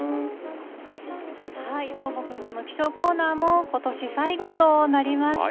どーもくんとの気象コーナーも、ことし最後となりました。